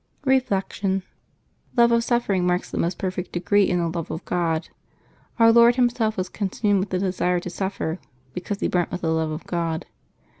Reflection. — ^Love of suffering marks the most perfect degree in the love of God. Our Lord Himself was con sumed with the desire to suffer, because He burnt with the love of God.